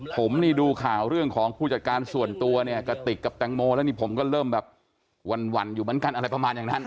ผมนี่ดูข่าวเรื่องของผู้จัดการส่วนตัวเนี่ยกระติกกับแตงโมแล้วนี่ผมก็เริ่มแบบหวั่นอยู่เหมือนกันอะไรประมาณอย่างนั้น